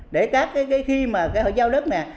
để các cái khi mà họ giao đất này